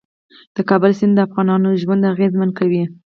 د کابل سیند د افغانانو ژوند اغېزمن کوي.